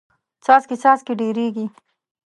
څاڅکې څاڅکې ډېریږي.